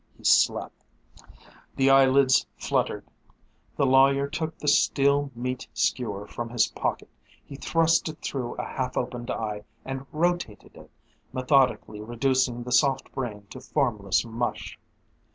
He slept. The eyelids fluttered. The lawyer took the steel meat skewer from his pocket. He thrust it through a half opened eye and rotated it, methodically reducing the soft brain to formless mush.